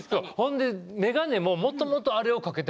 眼鏡ももともとあれを掛けて